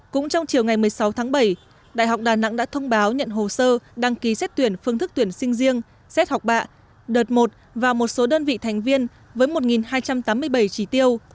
cũng trong chiều ngày một mươi sáu tháng bảy đại học đà nẵng đã thông báo nhận hồ sơ đăng ký xét tuyển phương thức tuyển sinh riêng xét học bạ đợt một và một số đơn vị thành viên với một hai trăm tám mươi bảy trí tiêu